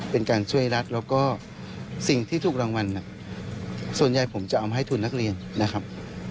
เป็นการช่วยรัฐแล้วก็สิ่งที่ถูกรางวัลส่วนใหญ่ผมจะเอามาให้ทุนนักเรียนนะครับ